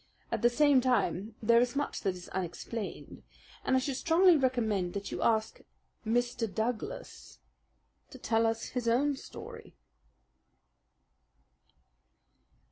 At the same time, there is much that is unexplained, and I should strongly recommend that you ask Mr. Douglas to tell us his own story."